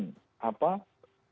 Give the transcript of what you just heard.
kalau tidak ya ya tergantung